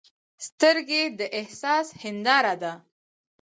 سترګې د احساس هنداره ده